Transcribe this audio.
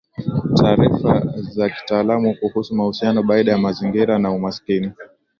Taarifa za kitaalamu kuhusu mahusiano baina ya mazingira na umaskini